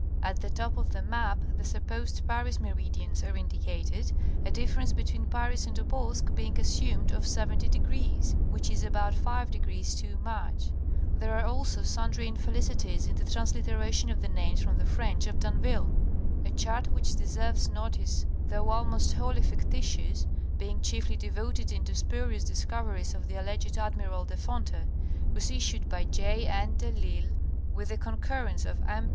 At the top of the map the sup posed Paris meridians* are indicated, a difference between Paris and Tobolsk being assumed of 70° degrees, which is about five degrees too much. There are also sundry infelicities in the transliteration of the names from the French of D'Anville. A chart which deserves notice, though almost wholly fictitious, being chiefly devoted to the spurious discoveries of the alleged Admiral de Fonte, was issued by J. N. de L'Isle with the concurrence of M.